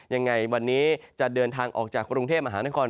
ยังไงวันนี้จะเดินทางออกจากกรุงเทพมหานคร